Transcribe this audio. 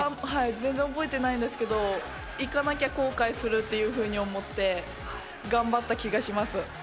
全然覚えてないんですけど行かなきゃ後悔すると思って頑張った気がします。